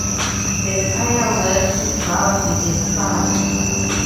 The fireworks wowed the crowd.